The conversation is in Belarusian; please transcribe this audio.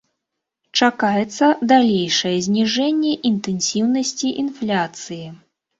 Чакаецца далейшае зніжэнне інтэнсіўнасці інфляцыі.